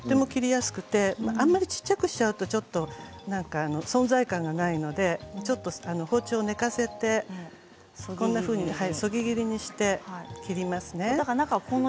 塊なのでとても切りやすくてあまり小さく切っちゃうとちょっと存在感がないので包丁を寝かせてそぎ切りにして切りますね。